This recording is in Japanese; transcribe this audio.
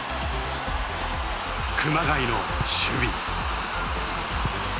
熊谷の守備。